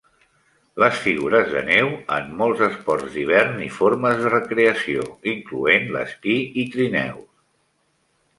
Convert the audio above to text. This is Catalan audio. Les figures de neu en molts esports d'hivern i formes de recreació, incloent l'esquí i trineus.